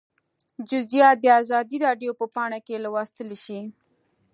جزییات د ازادي راډیو په پاڼه کې لوستلی شئ